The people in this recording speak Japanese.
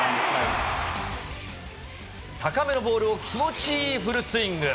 高めのボールを気持ちいいフルスイング。